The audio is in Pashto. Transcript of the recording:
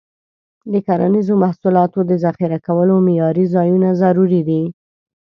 د کرنیزو محصولاتو د ذخیره کولو معیاري ځایونه ضروري دي.